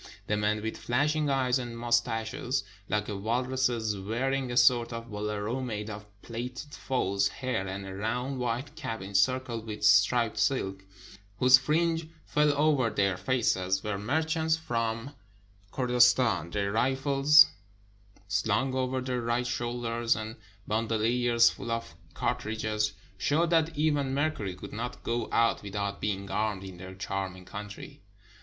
The men with flashing eyes and mustaches like a walrus's, wearing a sort of holero made of plaited foals' hair, and a round white cap encircled with striped silk, whose fringe fell over their faces, were merchants from 422 THE PERSIAN BAZAARS Kurdistan. Their rifles, slung over their right shoul ders, and bandoliers full of cartridges, showed that even Mercury could not go out without being armed in their "charming" country.